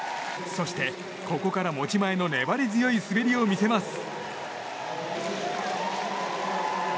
そして、ここから持ち前の粘り強い滑りを見せます。